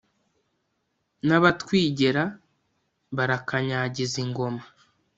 n'abatwigera barakanyagiza ingoma.